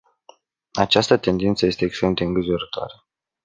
Această tendință este extrem de îngrijorătoare.